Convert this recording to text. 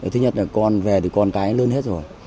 thứ nhất là con về thì con cái lớn hết rồi